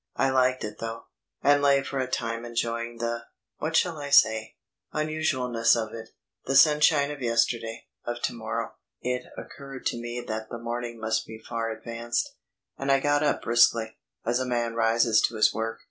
I liked it though, and lay for a time enjoying the what shall I say? usualness of it. The sunshine of yesterday of to morrow. It occurred to me that the morning must be far advanced, and I got up briskly, as a man rises to his work.